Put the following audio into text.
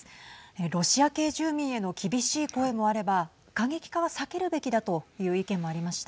ロシア系住民への厳しい声もあれば過激化は避けるべきだという意見もありました。